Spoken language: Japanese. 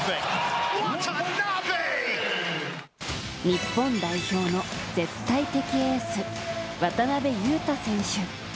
日本代表の絶対的エース渡邊雄太選手。